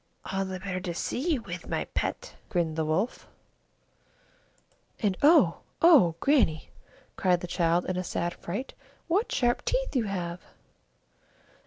"All the better to see you with, my pet," grinned the Wolf. "And oh! oh! Grannie," cried the child, in a sad fright, "what great sharp teeth you have!"